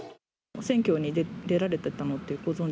選挙に出られてたのってご存じ？